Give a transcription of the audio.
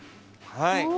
はい。